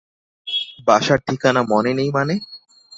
বাসার ঠিকানা মনে নেই মানে?